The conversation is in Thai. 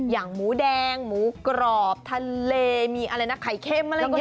อย่างหมูแดงหมูกรอบทะเลมีอะไรนะไข่เข้มอะไรก็มี